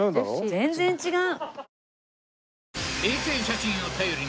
全然違う！